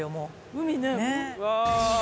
海ね。